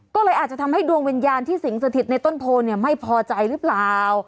ก็เลยอาจจะทำให้ดวงวิญญาณที่สิงสถิตในต้นโพเนี่ยไม่พอใจหรือเปล่า